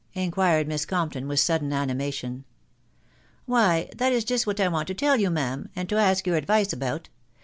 " inquired Miss Compton with sudden animation. " Why, that is just what I want to tell you, ma'am, and to ask your advice about.